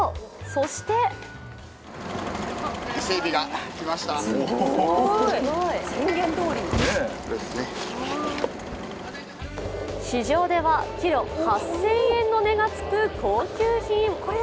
そして市場ではキロ８０００円の値がつく高級品。